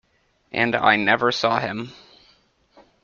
And I never saw him!